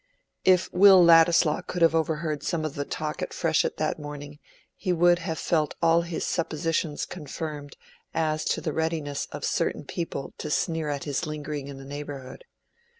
If Will Ladislaw could have overheard some of the talk at Freshitt that morning, he would have felt all his suppositions confirmed as to the readiness of certain people to sneer at his lingering in the neighborhood.